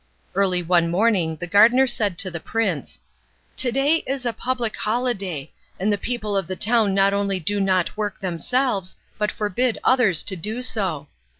Early one morning the gardener said to the prince: "To day is a public holiday, and the people of the town not only do not work themselves but forbid others to do so.